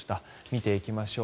見ていきましょう。